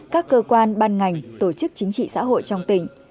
các cơ quan ban ngành tổ chức chính trị xã hội trong tỉnh